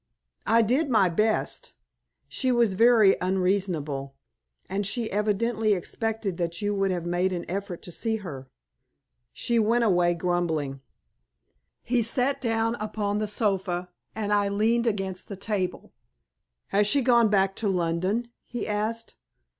"I did my best. She was very unreasonable, and she evidently expected that you would have made an effort to see her. She went away grumbling." He sat down upon the sofa, and I leaned against the table. "Has she gone back to London?" he asked.